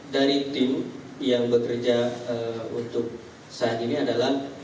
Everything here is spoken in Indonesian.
dari tim yang bekerja untuk saat ini adalah